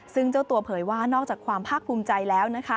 ซึ่งเจ้าตัวเผยว่านอกจากความภาคภูมิใจแล้วนะคะ